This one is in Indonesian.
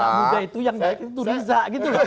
saya sih berharap anak muda itu riza gitu loh